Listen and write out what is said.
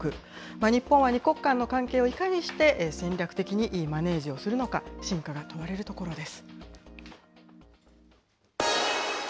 日本は２国間の関係をいかにして、戦略的にマネージをするのか、真価が問われるところです。